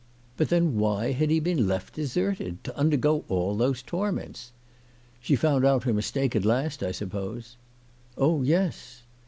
But then why had he been left, deserted, to undergo all those torments ?" She found out her mistake at last, I suppose ?"" Oh, yes."